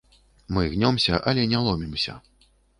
Мы гнёмся, але не ломімся.